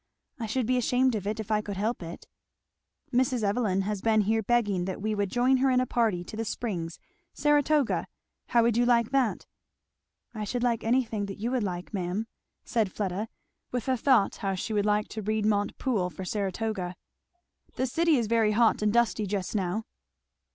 I should be ashamed of it, if I could help it." "Mrs. Evelyn has been here begging that we would join her in a party to the Springs Saratoga how would you like that?" "I should like anything that you would like, ma'am," said Fleda, with a thought how she would like to read Montepoole for Saratoga. "The city is very hot and dusty just now."